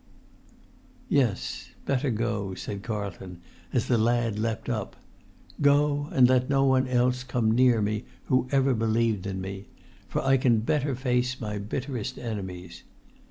"Yes; better go," said Carlton, as the lad leapt up. "Go; and let no one else come near me who ever believed in me; for I can better face my bitterest enemies.